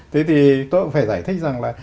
thế thì tôi cũng phải giải thích rằng là